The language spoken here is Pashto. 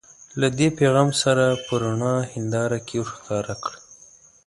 له دې پیغام سره په رڼه هنداره کې ورښکاره کړه.